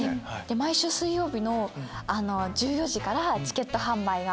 毎週水曜日の１４時からチケット販売が。